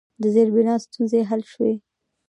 د زیربنا ستونزې حل شوي؟